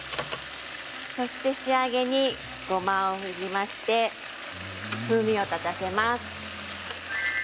そして仕上げにごまを振りまして風味を立たせます。